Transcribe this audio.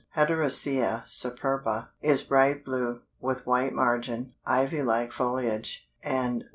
Hederacea Superba_ is bright blue, with white margin, Ivy like foliage, and _I.